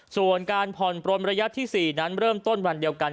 ส่วนการผ่อนปลนระยะที่๔นั้นเริ่มต้นวันเดียวกัน